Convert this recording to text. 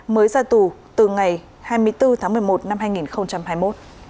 mới ra tù từ ngày hai mươi bốn tháng một mươi một năm hai nghìn hai mươi một